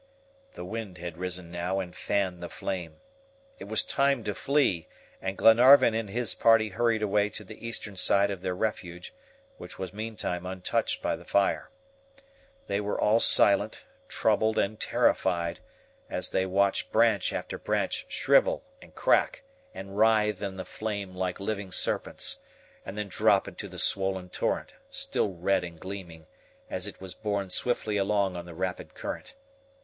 The wind had risen now and fanned the flame. It was time to flee, and Glenarvan and his party hurried away to the eastern side of their refuge, which was meantime untouched by the fire. They were all silent, troubled, and terrified, as they watched branch after branch shrivel, and crack, and writhe in the flame like living serpents, and then drop into the swollen torrent, still red and gleaming, as it was borne swiftly along on the rapid current.